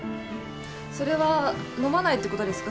それは飲まないって事ですか？